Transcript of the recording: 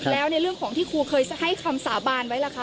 แล้วในเรื่องของที่ครูเคยให้คำสาบานไว้ล่ะคะ